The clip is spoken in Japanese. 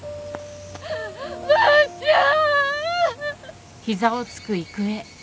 ばあちゃん！